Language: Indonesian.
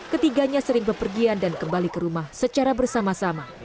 ketiganya sering berpergian dan kembali ke rumah secara bersama sama